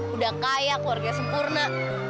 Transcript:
udah kaya keluarga sempurna